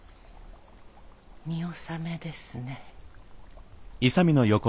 見納めですね。